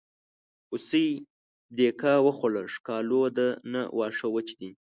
هوسۍ دیکه وخوړه ښکالو ده نه واښه وچ دي.